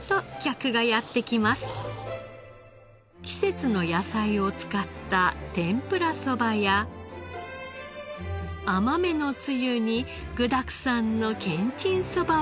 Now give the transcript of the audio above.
季節の野菜を使った天ぷらそばや甘めのつゆに具だくさんのけんちんそばは人気です。